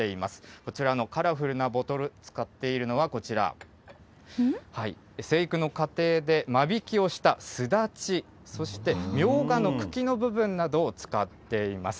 こちらのカラフルなボトル、使っているのはこちら、生育の過程で間引きをしたすだち、そして、みょうがの茎の部分などを使っています。